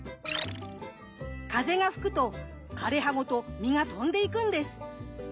風が吹くと枯れ葉ごと実が飛んでいくんです。